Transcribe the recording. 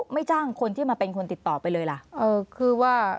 ไม่จ้างคนที่มาเป็นคนติดต่อไปเลยล่ะ